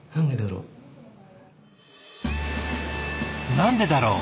何でだろう？